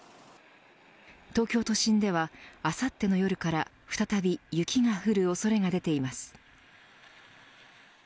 東京都心ではあさっての夜から再び雪が降る恐れが出ています。